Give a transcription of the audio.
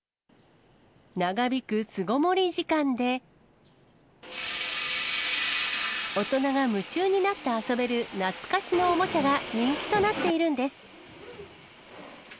長引く巣ごもり時間で、大人が夢中になって遊べる懐かしのおもちゃが人気となっているんです。